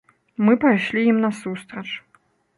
Мы пайшлі ім насустрач.